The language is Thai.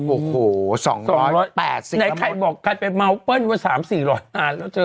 โอ้โห๒๘๐กระมวดไหนใครบอกใครไปเม้าเปิ้ลอยู่ว่า๓๔๐๐อันแล้วเจอ